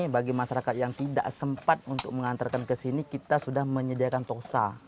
bagi masyarakat yang tidak sempat untuk mengantarkan ke sini kita sudah menyediakan toksa